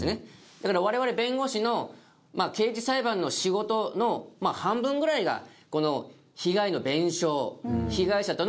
だから我々弁護士の刑事裁判の仕事の半分ぐらいが被害の弁償被害者との示談の交渉